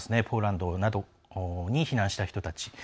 ポーランドなどに避難した人たち。